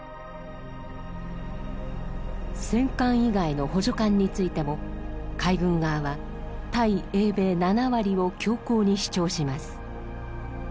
戦艦以外の補助艦についても海軍側は対英米７割を強硬に主張します。